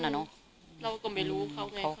เราก็ไม่รู้เขาไง